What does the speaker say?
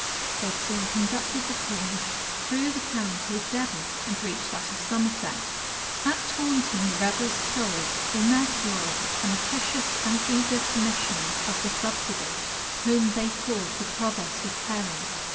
They soon conducted the Cornish through the county of Devon, and reached that of Somerset. At Taunton, the rebels killed, in their fury, an officious and eager commissioner of the subsidy, whom they called the provost of Perin.